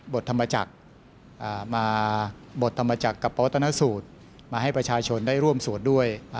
บทธรรมจักรกับปวตนสูตรให้ประชาชนร่วมสวดด้วย